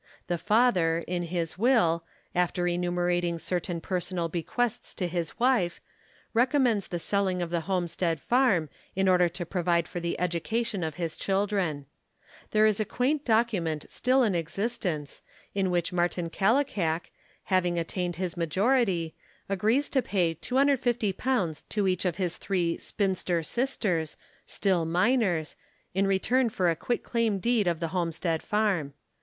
The father, in his will, after enumerating cer tain personal bequests to his wife, recommends the selling of the homestead farm, in order to provide for the education of his children. There is a quaint docu ment still in existence, in which Martin Kallikak, hav ing attained his majority, agrees to pay 250 to each of his three "spinster" sisters, still minors, in return for a quitclaim deed of the homestead farm.